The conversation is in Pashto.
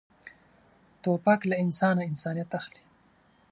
توپک له انسانه انسانیت اخلي.